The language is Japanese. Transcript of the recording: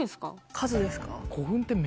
数ですか？